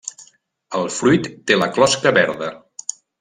El fruit té la closca verda.